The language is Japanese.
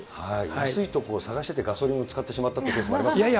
安い所を探してて、ガソリンを使ってしまったというケースもありますからね。